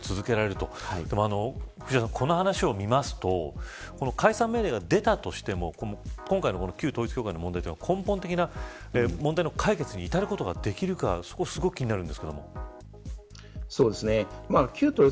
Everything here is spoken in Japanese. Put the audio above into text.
でも、この話を見ますと解散命令が出たとしても今回の旧統一教会の問題は根本的な問題の解決に至ることができるかそこがすごい気になるんですけども。